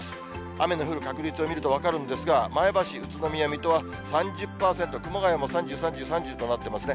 雨の降る確率を見ると分かるんですが、前橋、宇都宮、水戸は３０％、熊谷も３０、３０、３０となってますね。